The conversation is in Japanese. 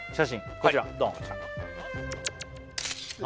こちらドン何？